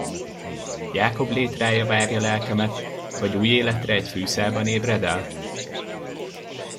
Jákob létrája várja lelkemet, vagy új életre egy fűszálban ébredel?